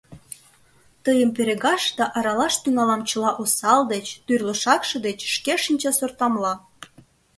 Тыйым перегаш да аралаш тӱҥалам чыла осал деч, тӱрлӧ шакше деч шке шинчасортамла...